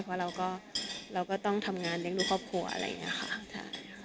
เพราะเราก็เราก็ต้องทำงานเลี้ยงดูครอบครัวอะไรอย่างนี้ค่ะ